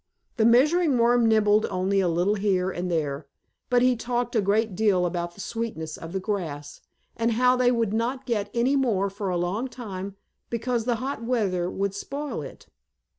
The Measuring Worm nibbled only a little here and there, but he talked a great deal about the sweetness of the grass, and how they would not get any more for a long time because the hot weather would spoil it.